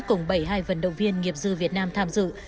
cùng bảy mươi hai vận động viên nghiệp dư việt nam tham dự